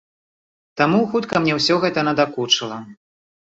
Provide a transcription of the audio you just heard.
Таму хутка мне ўсё гэта надакучыла.